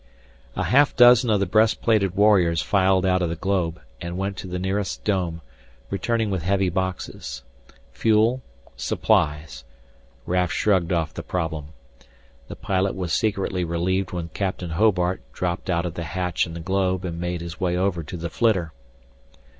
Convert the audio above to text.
A half dozen of the breastplated warriors filed out of the globe and went to the nearest dome, returning with heavy boxes. Fuel supplies Raf shrugged off the problem. The pilot was secretly relieved when Captain Hobart dropped out of the hatch in the globe and made his way over to the flitter.